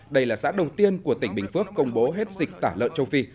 đây là xã đầu tiên của tỉnh bình phước công bố hết dịch tả lợn châu phi